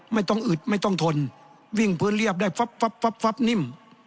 อึดไม่ต้องทนวิ่งพื้นเรียบได้ฟับนิ่ม